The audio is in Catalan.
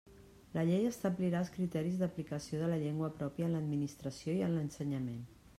La llei establirà els criteris d'aplicació de la llengua pròpia en l'Administració i en l'ensenyament.